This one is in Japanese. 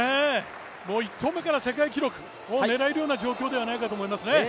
もう１投目から世界記録を狙えるような状況ではないかと思いますね。